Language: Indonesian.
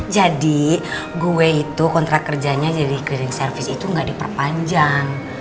jadi gue itu kontrak kerjanya jadi cleaning service itu nggak diperpanjang